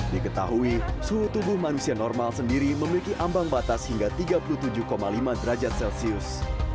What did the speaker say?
diketahui suhu tubuh manusia normal sendiri memiliki ambang batas hingga tiga puluh tujuh lima derajat celcius